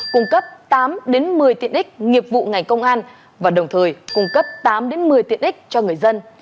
cung cấp tám một mươi tiện ích nghiệp vụ ngành công an và đồng thời cung cấp tám một mươi tiện ích cho người dân